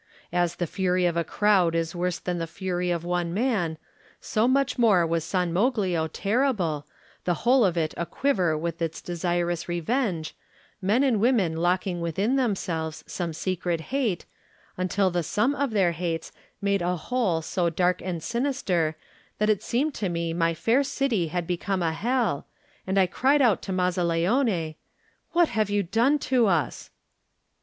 As the fury of a crowd is worse than the fury of one man, so much more was San Moglio terrible, the whole of it aquiver with its desirous revenge, men and women locking within themselves some secret hate, until the siim of their hates made a whole so dark and sinister that it seemed to me my fair city had become a hell, and I cried out to Mazzaleone: "What have you done to us?"